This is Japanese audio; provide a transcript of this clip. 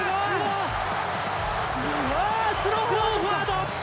スローフォワード！